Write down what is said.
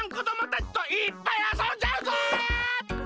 たちといっぱいあそんじゃうぞ！